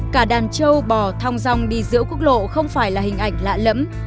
cả đàn châu bò thong rong đi giữa quốc lộ không phải là hình ảnh lạ lẫm